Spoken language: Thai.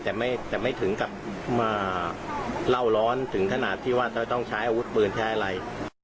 แต่ไม่ถึงกับมาเล่าร้อนถึงขนาดที่ว่าจะต้องใช้อาวุธปืนใช้อะไร